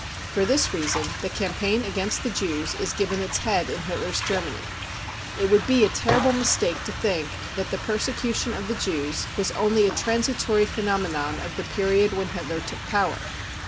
For this reason the campaign against the Jews is given its head in Hitler's Germany. It would be a terrible mistake to think that the I persecution of the Jews was only a transitory phenomenon of the period when Hitler took power.